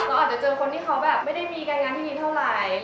เราอาจจะเจอคนที่เขาแบบไม่ได้มีการงานที่ดีเท่าไหร่